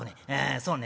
そうね